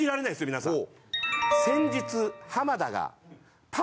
皆さん。